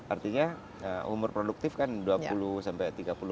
artinya umur produktif kan dua puluh sampai tiga puluh